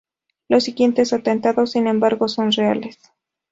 Los siguientes atentados, sin embargo, son reales.